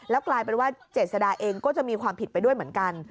กลายเป็นว่าเจษดาเองก็จะมีความผิดไปด้วยเหมือนกัน